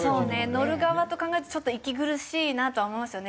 乗る側と考えるとちょっと息苦しいなとは思いますよね。